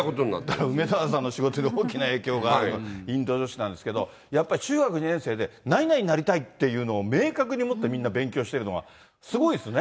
だから梅沢さんの仕事に大きな影響があるというインド女子なんですけど、やっぱり中学２年生で何々になりたいっていうのを明確に持ってみんな勉強してるのがすごいですね。